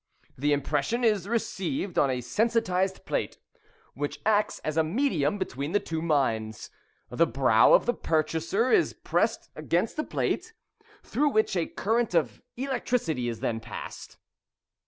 The impression is received on a sensitised plate which acts as a medium between the two minds. The brow of the purchaser is pressed against the plate, through which a current of electricity is then passed."